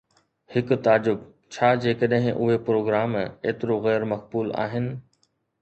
هڪ تعجب: ڇا جيڪڏهن اهي پروگرام ايترو غير مقبول آهن؟